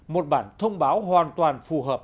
một bản thông báo hoàn toàn phù hợp